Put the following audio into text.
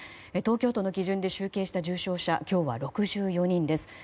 東京都の基準で集計した重症者、今日は６４人です。